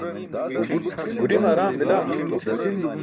guḍime araam bila muuto